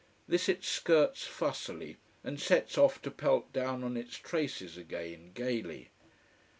This it skirts fussily, and sets off to pelt down on its traces again, gaily.